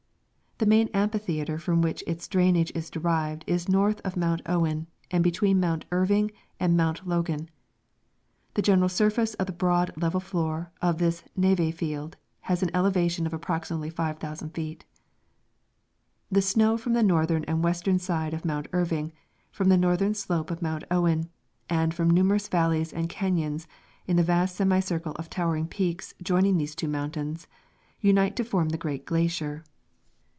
The main amphitheatre from which its drainage is derived is north of Mount Owen and between Mount Irving and Mount Logan. The general surface of the broad level floor of this neve field has an elevation of approxi mately 5,000 feet. The snow from the northern and western sides of Mount Irving, from the northern slope of Mount Owen, and from numerous valleys and canons in the vast semicircle of towering peaks joining these two mountains, unite to form the great glacier.